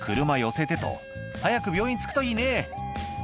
「車寄せてと早く病院着くといいね」